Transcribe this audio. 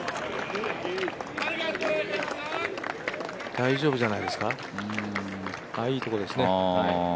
大丈夫じゃないですか、いいところですね。